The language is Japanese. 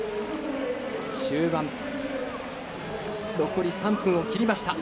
終盤、残り３分を切りました。